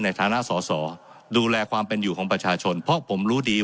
ในฐานะสอสอดูแลความเป็นอยู่ของประชาชนเพราะผมรู้ดี